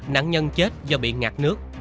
nạn nhân chết do bị ngạt nước